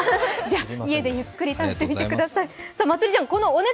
家でゆっくり食べてみてください。